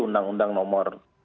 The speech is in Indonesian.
undang undang nomor dua